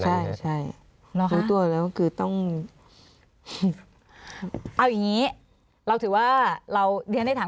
ใช่ใช่รู้ตัวแล้วก็คือต้องเอาอย่างนี้เราถือว่าเราเรียนได้ถาม